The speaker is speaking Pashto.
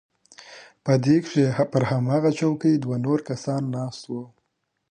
په دې کښې پر هماغه چوکۍ دوه نور کسان ناست وو.